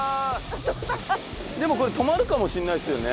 でもこれ止まるかもしれないですよね。